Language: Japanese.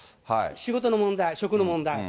仕事の問題、職の問題。